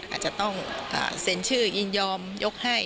อาจจะต้องเซ็นชื่อยินยอมยกให้